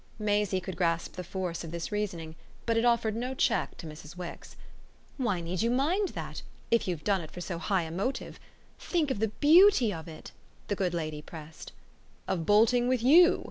Maisie could grasp the force of this reasoning, but it offered no check to Mrs. Wix. "Why need you mind that if you've done it for so high a motive? Think of the beauty of it," the good lady pressed. "Of bolting with YOU?"